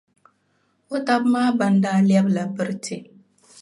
O taba maa ban daa lɛbila biriti.